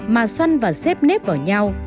mà xoăn và xếp nếp vào nhau